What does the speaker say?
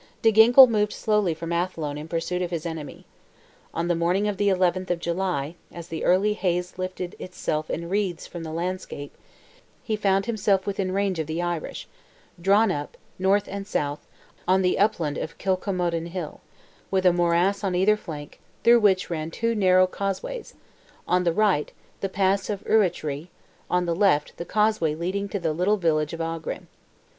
De Ginkle moved slowly from Athlone in pursuit of his enemy. On the morning of the 11th of July, as the early haze lifted itself in wreaths from the landscape, he found himself within range of the Irish, drawn up, north and south, on the upland of Kilcommodan hill, with a morass on either flank, through which ran two narrow causeways—on the right, "the pass of Urrachree," on the left, the causeway leading to the little village of Aughrim.